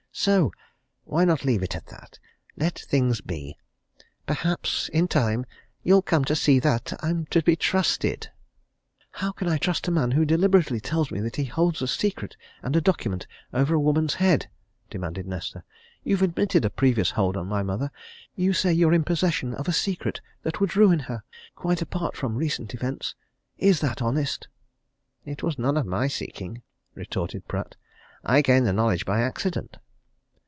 So why not leave it at that? Let things be! Perhaps in time you'll come to see that I'm to be trusted." "How can I trust a man who deliberately tells me that he holds a secret and a document over a woman's head?" demanded Nesta. "You've admitted a previous hold on my mother. You say you're in possession of a secret that would ruin her quite apart from recent events. Is that honest?" "It was none of my seeking," retorted Pratt. "I gained the knowledge by accident."